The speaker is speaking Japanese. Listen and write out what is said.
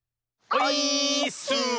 オイーッス！